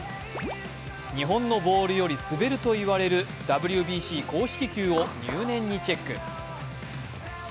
日本のボールより滑ると言われるＷＢＣ公式球を入念にチェック。